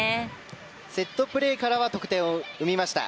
セットプレーからは得点を生みました。